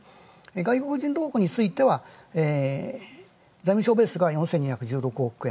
外国人動向については、財務相ベースが４２１６億円。